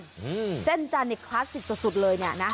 เหมือนเส้นจันทร์คลาสสิตสุดเลยนะ